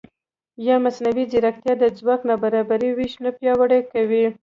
ایا مصنوعي ځیرکتیا د ځواک نابرابر وېش نه پیاوړی کوي؟